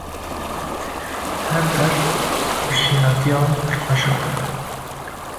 Her der bi şînatiyan pir xweşik dibe.